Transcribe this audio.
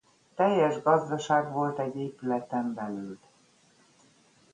Teljes gazdaság volt egy épületen belül.